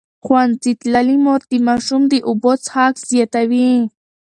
ښوونځې تللې مور د ماشوم د اوبو څښاک زیاتوي.